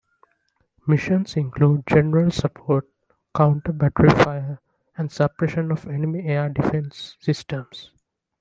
Missions include general support, counter-battery fire, and suppression of enemy air defense systems.